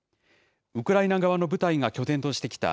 ウクライナ側の部隊が拠点としてきた、